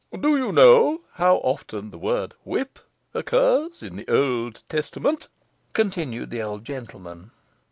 'Do you know how often the word whip occurs in the Old Testament?' continued the old gentleman.